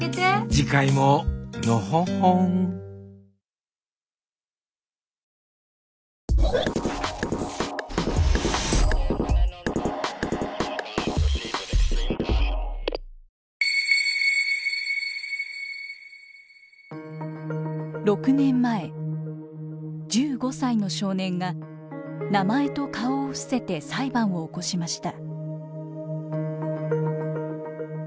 次回ものほほん６年前１５歳の少年が名前と顔を伏せて裁判を起こしました。